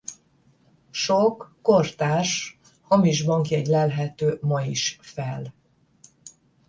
Sok kortárs hamis bankjegy lelhető ma is fel.